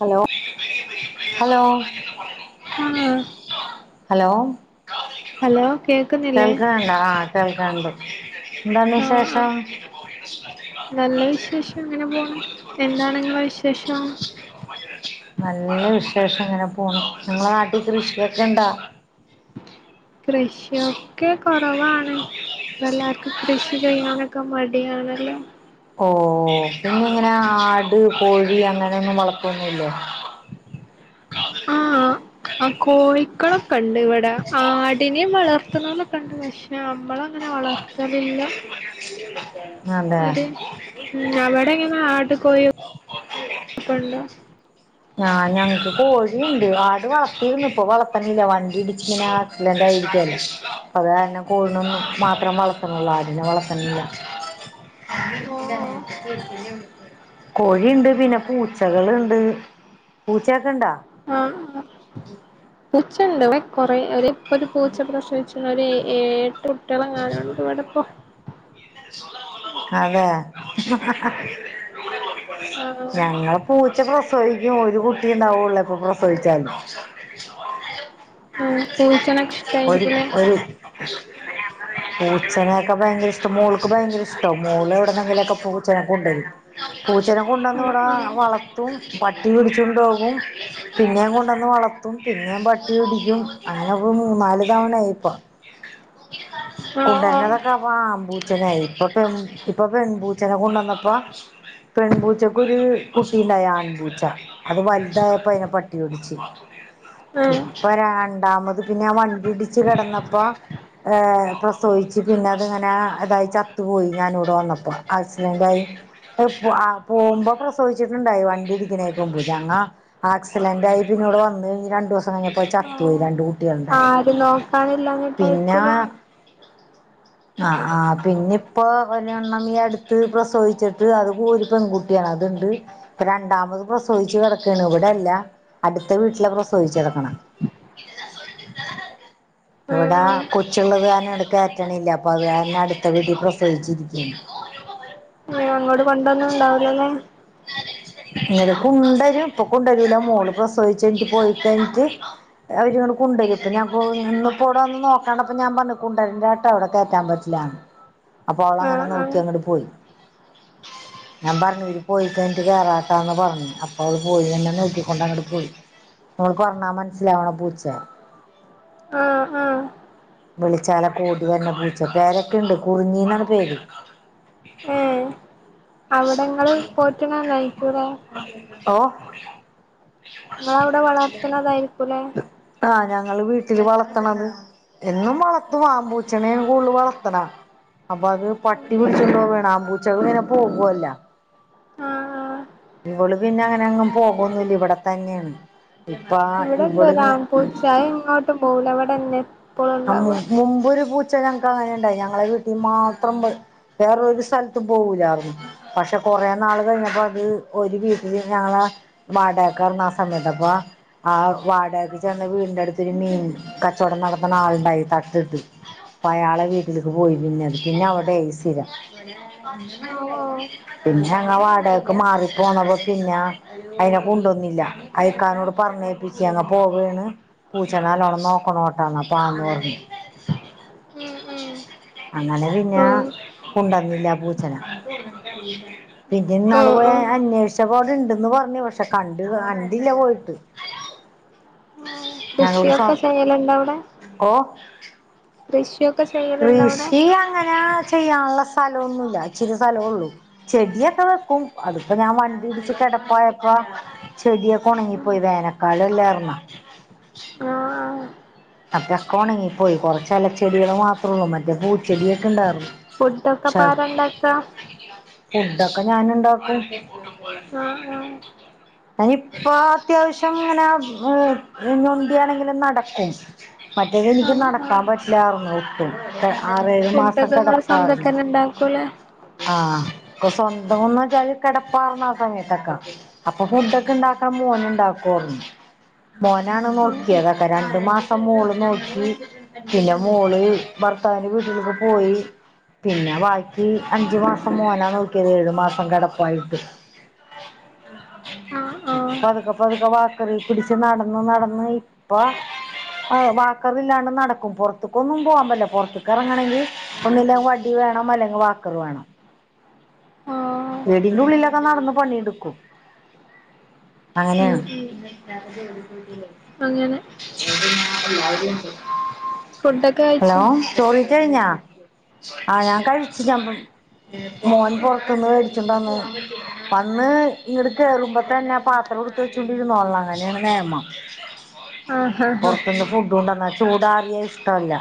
Hello hello ആഹ് hello hello കേക്കുന്നില്ലേ തൽക്കണ്ട ആ തലങ്കഡു ആ ആ നല്ല വിശേഷം അങ്ങനെ പോണം എന്താണ് ങ്ങളെ വിശേഷം ശേഷം എങ്ങനെ പോണം നിങ്ങളെ നാട്ടിൽ കൃഷിയൊക്കെ ഇണ്ടാ ക്റഷ്യ ഒക്കെ കുറവാണ് ഇപ്പ എല്ലാർക്കും കൃഷി ചെയ്യാനൊക്കെ മടിയാണല്ലോ ഓ പിന്നെ ഇങ്ങനെ ആട് കോഴി അങ്ങനെയൊന്നും വളപ്പൊന്നല്ലോ ആ ആ കോഴിക്കളും പണ്ട് ഇവിടെ ആടിനെയും വളർത്തുന്നലൊക്കെണ്ട് നമ്മളങ്ങനെ വളർത്തലില്ല [unintelligible] [unintelligible] അവിടെങ്ങനെ ആട് കോഴിക്കണ്ടോ ആ ഞങ്ങക്ക് കോഴിയുണ്ട് ആട് വളർത്തിന്ന് ഇപ്പൊ വളർത്തന്നില്ല വണ്ടി ഇടച്ച്ങ്ങനെ ആ ല്ലാണ്ടായിരിക്കല്ലോ അത് കാരണം കോഴിന ഒന്നും മാത്രം വളർത്തണള്ളൂ ആടിനെ വളർത്തന്നില്ല ഓഹ് ഓഹ് [unintelligible] കോഴിണ്ട് പിന്നെ പൂച്ചകള്ണ്ട് പൂച്ചൊക്കെ ഇണ്ടാ ആഹ് ആഹ് പൂച്ചണ്ട് [unintelligible] കുറെ അവരിപ്പൊ ഒരു പൂച്ച പ്രശവിച്ച് ഏഴ് ഏട്ട് കുട്ടികളങ്ങാനണ്ട് ഇവിടെപ്പൊ അതെ ആഹ് [unintelligible] ഞങ്ങളെപൂച്ച പ്രസവിക്കും ഒരു കുട്ടിണ്ടാവുള്ളോ എപ്പൊ പ്രസവിച്ചാലും [unintelligible] ഒരു ഇഷ്ടായിരിക്കുംല്ലേ ഒരു പൂച്ചെനൊക്കെ ഭയങ്കര ഇഷ്ട മോൾക്ക് ഭയങ്കര ഇഷ്ടോ മോള് ഇവിടുന്നെങ്കിലൊക്കെ പൂച്ചനെ കൊണ്ടുവരും പൂച്ചനെ കൊണ്ടുവന്ന ആഹ് ഇവിടെ ആഹ് വളർത്തും പട്ടി പിടിച്ചു കൊണ്ടപോകും പിന്നെയേും കൊണ്ടുവന്ന് വളർത്തും പിന്നേും പട്ടി പിടിക്കും അങ്ങനെ [unintelligible] നാല് തവണായി ഇപ്പ ആഹ് ഓഹ് കൊണ്ടരുന്നതൊക്കെ അപ്പ ആമ്പൂച്ചനായി ഇപ്പൊ പെ ഇപ്പൊ പെൺപൂച്ചനെ കൊണ്ടുവന്നപ്പോ പെൺപൂച്ചക്കൊ ഒരു കുട്ടിണ്ടായി ആൺപൂച്ച അത് വലുതായപ്പോ അതിനെ പട്ടി പിടിച്ച് ഏഹ് ഇപ്പൊ രണ്ടാമത് പിന്നെ വണ്ടി ഇടിച്ച് കിടന്നപ്പോ പ്രസവിച്ചു പിന്നെ അതിങ്ങനെ അതായ ചത്തു പോയി ഞാനിവിടെ വന്നപ്പോ ആക്സിഡന്റ ആായി പോകുമ്പോ പ്രസവദിച്ചിട്ടുണ്ടായി വണ്ടി ഇടിക്കുന്നേക്ക്പോ ഞങ്ങ ആക്സിഡന്റായിയി പിന്നെ ഇവിടെ വന്ന് കഴിഞ്ഞഞ് രണ്ടു ദിവസം കഴിഞ്ഞപ്പോ ചത്തു പോയി ഓഹ് രണ്ട് കൂ ആരും നോക്കാനില്ലന്നിട്ടായിരിക്കൂല ആ ആ പിന്നെ ഇപ്പോരെണ്ണം ഈ അടുത്ത് പ്രസവിച്ചിട്ട് അത് ഒരു പെൺകുട്ടിയാണ് അത്ണ്ട് ഇപ്പ രണ്ടാമത് പ്രസവിച്ചു കിടക്കാണ് ഇവിടെല്ല അടുത്ത വീട്ടില് പ്രസവിച്ച കിടക്കണം ഇവിടെ ആഹ് കൊച്ചുള്ള കാരണം എടുക്കയറ്റണില്ല അത് കാരണം അടുത്ത വിട്ടിൽ പ്രസവിച്ചിരിക്കണ് അങ്ങോട്ട് മ്പന്ധവന്നും ഇണ്ടാവുലല്ലോ ഇങ്ങെ കുണ്ടരും ഇപ്പൊ കൊണ്ടരല്ലോ മോള് പ്രസവിച്ചു കഴിഞ്ഞു പോയിക്കഴിഞ്ഞിട്ട് അവരിങ്ങനെ കൊണ്ടുവരും ഇപ്പൊ ഞാൻ ഇന്ന ഇപ്പോവിടെ വന്ന് നോക്കാണ്ടപ്പ ഞാൻ പറഞ്ഞു കുണ്ടരണ്ടാട്ടോ അവിടെ കയറ്റാൻ പറ്റില്ലാണ് അപ്പോ അവള അങ്ങനെ ആഹ് ആഹ് നോക്കി അങ്ങോട്ട് പോയി ഞാൻ പറഞ്ഞുര് പോയി കഴിഞ്ഞിട്ട് കേറാട്ടാന്ന് പറഞ്ഞഞ് അപ്പോ അവ പോയിന്നെ നോക്കിക്കൊണ്ട് അങ്ങോട്ട് പോയി നമ്മള് പറഞ്ഞാ മനസ്സിലാവണ പൂച്ച ആഹ് ആഹ് വിളിച്ചാല കോടി വര്ന്നെ പൂച്ച പേരൊക്കെുണ്ട് കുറിഞ്ഞിന്നാണ് പേര് അവിടെങ്ങളും പോറ്റിനതായിരിക്കൂലെ ഓ നിങ്ങവിടെ വളർത്തണതായിരിക്കുംലെ ൽ വളർത്തണത് എന്നും വളർത്തു ആപൂചനെ കൂടുതൽ വളർത്തണ അപ്പൊ അത് പട്ടി പിടിച്ചണ്ടോ പോവാന് ആപൂച്ചക ഇങ്ങനെ പോകവല്ല ആഹ് ആഹ് ഇവള് പിന്നെ അങ്ങന അങ്ങ് പോകന്നുല്ല ഇവിടെ തന്നെയാണ് ഇവിടെണ്ട് ഇവളിങ്ങ് ഒരാൺപൂച്ചയായി ഇങ്ങോട്ടും പോല അവിടെന്നെ ആ മുമ്പൊരു പൂച ഞങ്ങക്ക് അങ്ങനെണ്ടായി ഞങ്ങളെ വീട്ടിൽ മാത്രം വേറൊരു സ്ഥലത്തും പോകൂല്ലായിരുന്നു പക്ഷെ കുറെേ നാൾ കഴിഞ്ഞപ്പോ അത് ഒരു വീട്ടില് ഞങ്ങള വാടകക്കുന്ന ആ സമയത്ത് അപ്പ ആ വാടകക്ക് ചെന്ന വീടിന്റെ അടുത്ത് മീൻ കച്ചവടം നട നാളുണ്ടായി തട്ടിട്ട് അപ്പൊ അയാളെ വീട്ടിലേക്ക് പോയി പിന്നെത് പിന്നെ അവിടൊയി സ്ഥിരം പിന്നെ അങ്ങ വാടകക്ക് മാറിപ്പോന്നപ്പോ പിന്നെ അയിനെ കൊണ്ടുവന്നില്ല അയക്കാനോട് പറഞ്ഞേപ്പിച്ചി അങ്ങ പോവാണ് പൂച്ചനെ നല്ലോണം നോക്കണോട്ടെ ണപ്പാന്ന് പറഞ്ഞു ഉം ഉം അങ്ങനെ പിന്നെ ഉം കൊണ്ടന്നില്ല പൂച്ചനെ പിന്നെ നാള് പോയ ആഹ് അന്വേഷിച്ചപ്പോ ഇണ്ടന്ന് പറഞ്ഞു പക്ഷെ കണ്ടില്ല പോയിട്ട് ഞങ്ങൾക്ക് സ കൃഷിയൊക്കെ ചെയ്യലുണ്ട് അവിടെ ഓ കൃഷി കൃഷി അങ്ങനെ ചെയ്യാള്ള സ്ഥലൊന്നുല്ല ഇച്ചിരി സ്ഥല ഉള്ളു ചെടിയൊക്കെ വെക്കും അതിപ്പോ ഞാൻ വണ്ടി ഇടിച്ച് കിടപ്പായപ്പാ ചെടിയൊക്കെ ഉണങ്ങിപ്പോയി വേനക്കാലല്ലാര്ന്ന ആഹ് അപ്പക്കെ ഉണെങ്ങി പോയി കുറച്ച അല ചെടികള മാത്രേ ഉള്ളൂ മറ്റേ പൂച്ചെടിയൊക്കെ ഉണ്ടാറ്ന്നു ഫുഡ ഒക്കപ്പാരണ്ടാക്ക്‌ ഫുഡൊക്കെ ഞാന് ഇണ്ടാക്കും ആഹ് ആഹ് അയിന് ഇപ്പൊ അത്യാവശ്യം ഇങ്ങനെ ഞൊണ്ടിയാണെങ്കിലും നടക്കും മറ്റേത് എനിക്ക് ആഹ് നടക്കാൻ ആഹ് പറ്റില്ലായിറ് ന്നു പിന്ന ഇവ്ടെ ഫുഡൊക്കെ ഇങ്ങള് സ്വന്തക്കെന്നെ ഇണ്ടാക്കൂലെ സ്വന്തമെന്ന് വെച്ചാല് കിടപ്പാർന്ന ആ സമയത്തൊക്ക അപ്പൊ ഫുഡൊക്കെ ഇണ്ടാക്കാൻ മോന് ഇണ്ടാക്കും മോനാണ് ആഹ് നോക്കിയതൊക്കെ രണ്ട് മാ മോള് നോക്കി പിന്നെ മോള് ഭർത്താവിന്റെ വീട്ടിലേക്ക് പോയി പിന്നെ ബാക്കി അഞ്ചു മാസം മോനാ നോക്കിയത് ഏഴു മാസം കിടപ്പായിട്ട് ആഹ് ആഹ് പതുക്കെ പതുക്കെ വാക്കറി പിടിച്ച് നടന്ന് നടന്ന് ഇപ്പ ഓ വാക്കറില്ലാണ്ട് നടക്കും പുറത്ത് ക്കൊന്നും പോവാൻ പറ്റ്ല്ല പൊറത്ത്ക്ക്‌ ഇറങ്ങണെങ്കി ഒന്നില്ലെങ്ക വണ്ടി വേണം അല്ലെങ്കി വാക്കറ് വേണം ആഹ് വീട്ന്റെ ഉള്ളിലൊക്കെ നടന്ന് പണി എട് ക്കും ഉം അങ്ങനെയാണ് ഉം അങ്ങനെ ഫുഡൊക്കെ അല്ല ഹലോ കഴിച്ചോ ചോറയ്ച്ചഴിഞ്ഞാ ആ ഞാൻ കഴിച്ചു ചമ്മ് മോൻ പൊറ ഇന്ന് വെടിച്ചോണ്ട് വന്ന് വന്ന് ഇങ്ങട്ട് കേറുമ്പ തന്നെ പാത്രം എടുത്തു വെച്ചോണ്ടിരുന്നോളണം അങ്ങനെയാണ് നേമം ആഹ് ആഹ് പൊറത്ത്ന്ന് ഫുഡ്‌ കൊണ്ടന്നാൽ ചൂടാറിയ ഇഷ്ടല്ല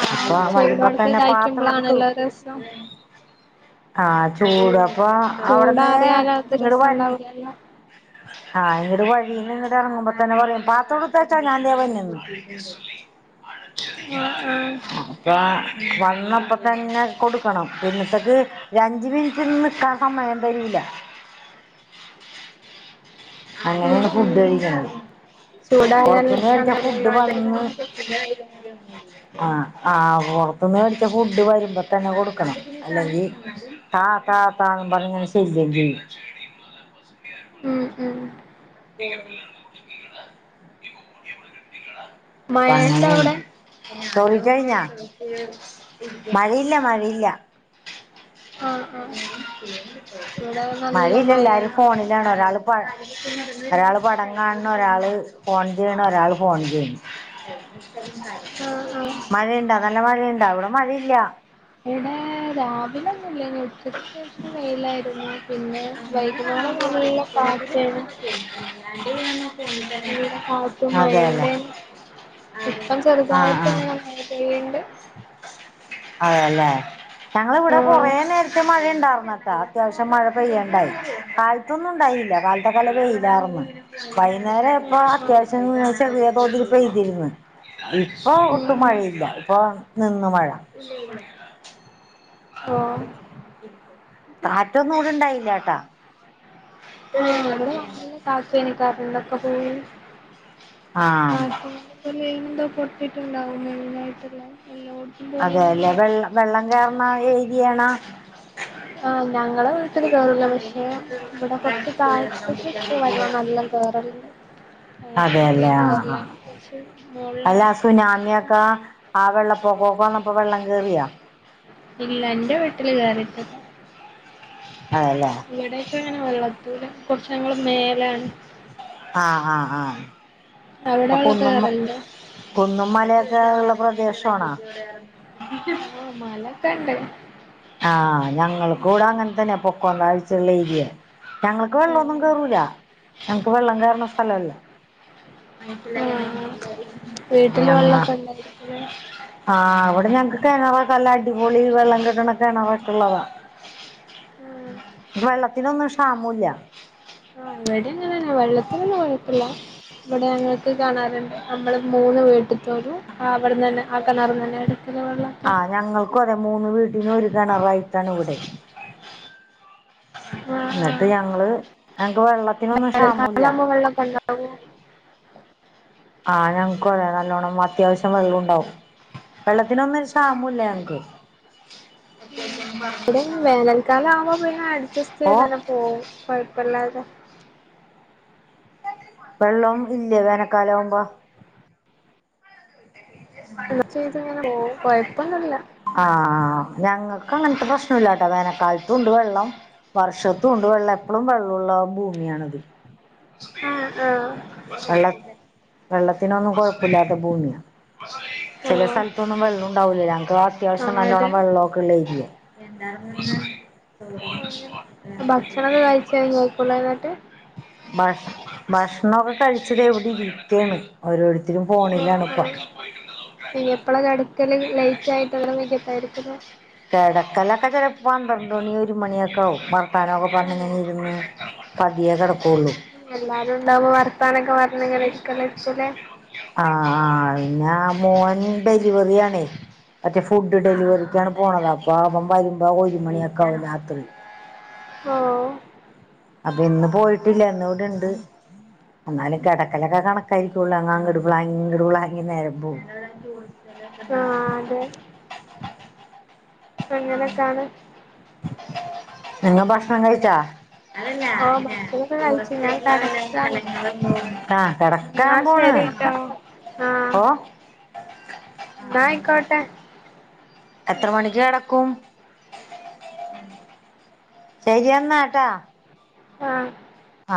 ആഹ് ചൂടോട്ക്കെ വരുമ്പത്തന്നെ പാത്രം എടുത്തു കഴിക്കുമ്പളാണല്ലോ രസം ആ ചൂടം അപ്പൊ അവിട്ന്നേ ചൂടാറിയാല് അത് ഇങ്ങട് വര്ണി രസണ്ടാവൂലല്ലോ ആ ഇങ്ങട്ട് വഴിയിന്നിങ്ങട് ഇറങ്ങുമ്പൊ തന്നെ പറയും പാത്ര എടുത്തുവെച്ചോ ഞാൻ ദേ വരണന്ന് ആഹ് ആഹ് അപ്പം വന്നപ്പ തന്നെ കൊടുക്കണം പിന്നത്തെക്ക് രഞ്ച് മിനിറ്റ് നിക്കാൻ സമയം തരൂല ഉം അങ്ങനെയാണ് ഫുഡ് ഉം കഴിക്ക്ണത് ചൂടായാല് പുറത്തൂന്ന് കഴിക്കാൻ രസണ്ടാവൂല ഫുഡ്ഡ് വന്ന് അതായിരിക്കും ആ ആ പുറത്ത്ന്ന് മേടിച്ച ഫുഡ് വരി മ്പ തന്നെ കൊടുക്കണം അല്ലെങ്കി താ താ താ ന്നുംപറഞ്ഞ് ഇങ്ങനെ ശല്യം ചെയ്യും ഉം ഉം പി [unintelligible] മയയിണ്ട അവിടെ ചോറെയിച്ച് ഴിഞ്ഞൊ മഴയില്ല മഴയില്ല ആഹ് ആഹ് ഇവിടെ നല്ല മഴയില്ല എല്ലാരും മഴായിരുന്നു ഫോണിലാണ് ഒരാള് പ ഒരാള് പടം കാൺണ് ഒരാള് ഫോൺ ചെയ്യ്ണ് ഒരാള് ഫോൺ ചെയ്യ്ണ് ആഹ് ആഹ് മഴയുണ്ടോ? നല്ല മഴയുണ്ടോ? അവിടെ മഴയില്ല. രാവിലെ ല്ല ഇ ഉച്ചക്ക് ശേഷം വെയിലായിരുന്നു. പിന്നെ വൈകുന്നോളം നല്ല കാറ്റ് എന്തവിാണ് [unintelligible] നല്ല കാറ്റും മയുണ്ടേ ഇപ്പം ആഹ് ചെറുതായിട്ട് മഴ ആഹ് [unintelligible] പെയ്യ്ണ്ട്. അതല്ലേ. ഞങ്ങളിവിടെ ആഹ് കൊറേനേരം- മഴയുണ്ടാരുന്നു കേട്ടോ അത്യാവശ്യം മഴ പെയ്യണ്ടായി കാലത്തൊന്നുയുണ്ടായില്ല കാലത്തൊക്കെ നല്ല വെയിലാരുന്നു വൈന്നേരം ആയപ്പൊ ആഹ് ആഹ് അത്യാവശ്യം ചെറിയ തോതിൽ പെയ്തിരുന്ന് ഇപ്പൊ ഉം ഒട്ടും ഉം മഴയില്ല ഇപ്പൊ നിന്ന് മഴ. ഓഹ് കാറ്റൊന്നും ഇവിടെ ഇണ്ടായില്ലാട്ടാ. ന്നി. [unintelligible] കാറ്റാണ് കറണ്ട് ഒക്കെ പോയി. ആഹ് ആപ്പനന്ത. [unintelligible] പൊട്ടിട്ടുണ്ടാവും മെയിനായിട്ടുള്ള. എല്ലോടത്തും പോയിനന്ന് അതെല്ലേ, പറഞ്ഞു വെള്ള വെള്ളം കയറണ ഏരിയാണോ? ആഹ് ഞങ്ങളെ വീട്ടില് കേറൂല പക്ഷെ ഇവിടെ കുറച്ച് താഴത്തേക്ക് വെള്ളം നല്ലം കേറല്ണ്ട് ഞങ്ങളെ വീട്ടിലേക്ക് കേറ്ല്ലാ പക്ഷെ അല്ലാ സുനാമിയാക്കാ ആഹ് വെള്ളപ്പൊക്കൊക്കെ വന്നപ്പോ വെള്ളംകേറിയോ ഇല്ല എന്റെ വീട്ടില് കേയറിട്ടില്ല. അതെല്ലേ ഇവിടെക്കെ ങ്ങനെ വെള്ളത്തൂല. കൊറച്ച് ഞങ്ങള് മേലാണ്. ആഹ് ആഹ് ആഹ്. അവിടെ അപ്പൊ വെള്ളം കുന്നും കേറലുണ്ടോ കുന്നും മല- [unintelligible] പ്രദേശാണോ ആഹ് മലൊക്കെ ഇണ്ട് ആഹ് ഞങ്ങൾക്കൂടെ അങ്ങനെ തന്നെ പൊക്കോതാഴിച്ചേള്ള ഏരിയെ ഞങ്ങക്ക് വെള്ളൊന്നും ആഹ് കേറൂല ഞങ്ങക്ക് വെള്ളം കേറ്ണ സ്ഥലോല്ല ആഹ് വീട്ടില് വെള്ളൊക്ക ഉണ്ടായിരിക്കൂലെ ഞങ്ങ്ക്ക് കെണറക്കെ നല്ല അടിപൊളി വെള്ളം കിട്ട്ണ കെണറൊക്കെള്ളതാ ആഹ് വെള്ളത്തിനൊന്നും ക്ഷാമുല്ല ആ ഇവിടിം അങ്ങനെന്ന വെള്ളത്തിനൊന്നും കൊഴപ്പല്ല ഇവിടെ ഞങ്ങൾക്ക് കെണർണ്ട് നമ്മള് മൂന്ന് വീട്ട്ത്തോലും അവിട്ന്നന്നെ ആ കെണർന്നന്നെ എട് ആ ഞങ്ങൾക്കു അ മൂന്ന് വീട്ടിനും ഒരു കിണറായിട്ടാണ് ഇവിടെ ന്നട്ട് ഞങ്ങള് ഞങ്ങ്ക്ക് വെള്ള വേനൽകാലാവുമ്പ വെള്ളൊക്കെ ണ്ടാവോ? ആ ഞങ്ങക്കുംഅയന്നെ നല്ലോണ്ണം അത്യാവശ്യം വെള്ളുണ്ടാവും വെള്ളത്തിനൊന്നും ഒരു ക്ഷാമുല്ല ഞങ്ങക്ക് ഇവിടിം വേനൽക്കാലാവുമ്പോ പിന്നെ അഡ്ജസ്റ്റ് ഓ ചെയ്തന്നെ പോവും കൊ വല്ലാതെ വെള്ളോം ഇല്ലേ വേനൽക്കാലാമ്പോ അങ്ങനെ ചെയ്തിങ്ങനെ പോകും കൊഴ്പ്പൊന്നുല്ല ആഹ് ഞങ്ങൾക്ക് അങ്ങൻത്തെ പ്രശ്ന ല്ലാട്ടോ വേനൽക്കാലത്തും ഉണ്ട് വെള്ളം വർഷത്തും ഉണ്ട് വെള്ളം എപ്പളും വെള്ളുള്ള ഭൂമിയാണിത്. ആഹ് ആഹ് വെള്ള വെള്ളത്തിനൊന്നും കൊഴപ്പല്ലാത്ത ഭൂമിയാ ചെല ഓഹ് സ്ഥല്ത്തൊന്നും വെള്ളൂണ്ടാവില്ല. ഇപ്പൊ അത്യാവശ്യം ആഹ് അതെ നല്ലോണ്ണം വെള്ളോക്കെള്ളേ ഏരിയേ എന്താർന്നു അങ്ങനെ ഭക്ഷണൊക്കെ കഴിച്ച് കഴിഞ്ഞേക്കുലേ എന്നിട്ട് പ്രശ്നം [inaudible] ഭക്ഷ ഭക്ഷണക്കെ കഴിച്ചതിവിടെ ഇരിക്കാണ് ഓരോരുത്ത രും ആഹ് ഫോണിലാണിപ്പ ആഹ് ഇനി എപ്പളാ കെടക്കല് ലൈറ്റ് ആയിട്ട് നേരം വൈകി ട്ടായിരിക്കുലേ കെടക്കാലൊക്കെ ചിലപ്പോ പന്ത്രണ്ടണി ഒരു മണിയൊക്കെ ആവും വർ ത്താനോക്കെ പറഞ്ഞിങ്ങനെ ഇരുന്ന് പതിയേ കെട എല്ലാരുണ്ടാവുമ്പോ വർ ത്താനെക്കെ പർ ആ ആ ഇന്നാ മോന് ഡെലിവറി ആണേ മറ്റേ ഫുഡ് ഡെലിവറിക്കാണ് പോണത് അപ്പ അവൻ വരുമ്പോ ഒരു മണിയൊക്കെ ആവും രാത്രി ഓ അപ്പൊ ഇന്ന് പോയിട്ടില്ല ഇന്നിവിടെണ്ട് എന്നാലും കെടക്കലൊക്കെ കണക്കായിരിക്കുള്ളൂ അങ്ങാങ്ങട് പ്ലാങ്ങി ഇങ്ങട് പ്ലാങ്ങി നേരമ്പോവും. ആഹ് അങ്ങനെക്കാണ്. നിങ്ങ ഭക്ഷണം കഴിച്ചാ? ആ ഭക്ഷനൊക്കെ കഴിച്ചു ഞാൻ കടക്കാണ്. ആഹ് ഇന്നാ കിടക്കാൻ പോണ് ശരിട്ടോ ആ ഓഹ് ഇന്നാ ആയ്ക്കോട്ടെ. എത്ര മണിക്ക് കെടക്കും ശരിയെന്നാട്ടാ. ആ